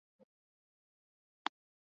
以卢汝弼代为副使。